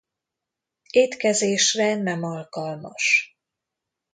Étkezésre nem alkalmas.